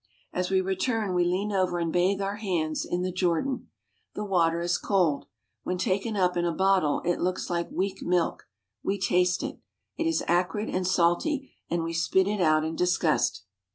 As we return we lean over and bathe our hands in the Jordan. The water is cold. When taken up in a bottle it looks like weak milk. We taste it. It is acrid and salty and we spit it out in disgust.